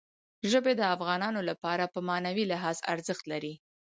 ژبې د افغانانو لپاره په معنوي لحاظ ارزښت لري.